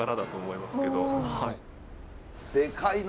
でかいな。